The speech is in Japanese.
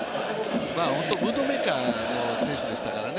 ムードメーカーの選手でしたからね。